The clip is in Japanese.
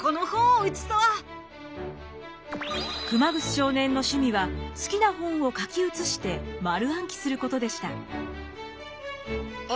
熊楠少年の趣味は好きな本を書き写して丸暗記することでした。